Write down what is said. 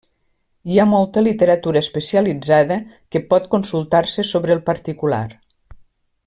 Hi ha molta literatura especialitzada que pot consultar-se sobre el particular.